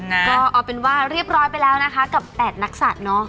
ก็เอาเป็นว่าเรียบร้อยไปแล้วนะคะกับ๘นักศัตริย์เนอะ